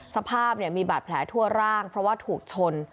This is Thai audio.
สภาพมีบาดแผลทั่วร่างเพราะว่าถูกชน